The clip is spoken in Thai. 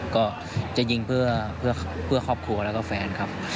ก็จะยิงเพื่อครอบครัวแล้วก็แฟนครับ